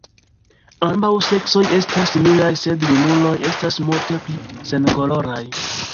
Ambaŭ seksoj estas similaj, sed junuloj estas multe pli senkoloraj.